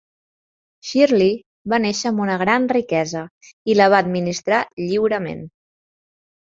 Shirley va néixer amb una gran riquesa i la va administrar lliurement.